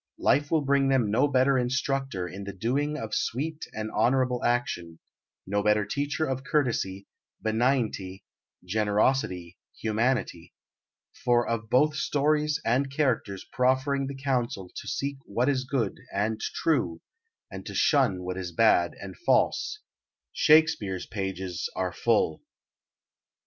Life will bring them no better instructor in the doing of sweet and honourable action, no better teacher of courtesy, benignity, generosity, humanity; for of both stories and characters proffering the counsel to seek what is good and true and to shun what is bad and false Shakespeare's pages are full.